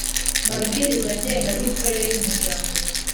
mabwiriza ngenga mikorere y Umuryango